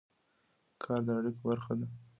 کار د اړیکو برخه ده.